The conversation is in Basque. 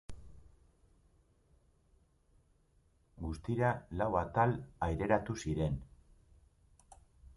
Guztira lau atal aireratu ziren.